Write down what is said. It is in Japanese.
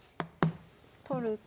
取ると？